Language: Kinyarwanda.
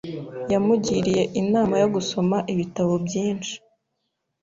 Yamugiriye inama yo gusoma ibitabo byinshi.